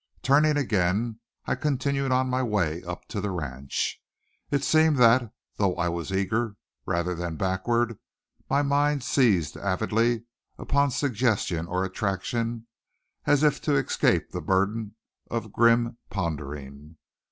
Turning again, I continued on my way up to the ranch. It seemed that, though I was eager rather than backward, my mind seized avidly upon suggestion or attraction, as if to escape the burden of grim pondering.